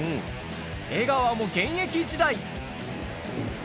江川も現役時代。